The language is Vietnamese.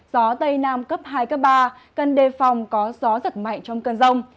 gió tây nam cấp hai cấp ba cần đề phòng có gió giật mạnh trong cơn rông